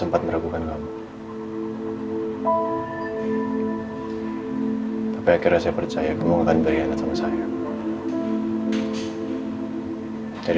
bapak bisa pencet saya